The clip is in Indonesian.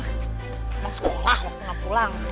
masuk olah waktu gak pulang